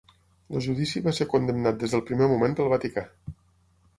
El judici va ser condemnat des del primer moment pel Vaticà.